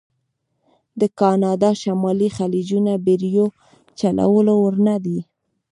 د کانادا شمالي خلیجونه بېړیو چلولو وړ نه دي.